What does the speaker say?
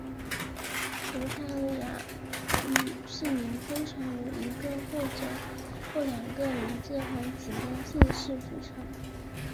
葡萄牙语姓名通常由一个或两个名字和几个姓氏组成。